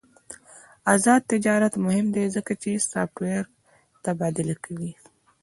آزاد تجارت مهم دی ځکه چې سافټویر تبادله کوي.